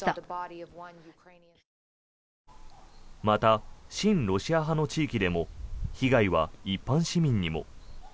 また、親ロシア派の地域でも被害は一般市民にも。